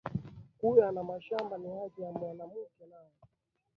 Kuya na mashamba ni haki ya mwanamuke nayo